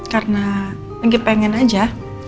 karena lagi pengen aja